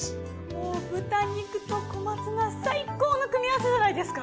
もう豚肉と小松菜最高の組み合わせじゃないですか。